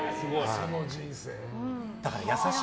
その人生。